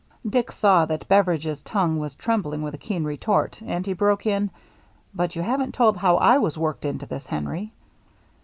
Dick saw that Beveridge's tongue was trembling with a keen retort, and he broke in, " But you haven't told how I was worked into this, Henry."